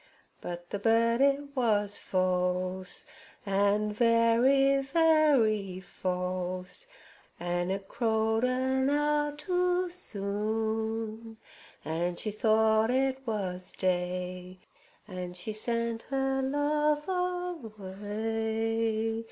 "But the bird it was false. And very, very false. An' it crowed an hour too soon. An' she thought it was day. An' she sent 'er love away.